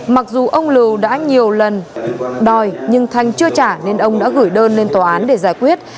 mặc dù ông lừ đã nhiều lần đòi nhưng thanh chưa trả nên ông đã gửi đơn lên tòa án để giải quyết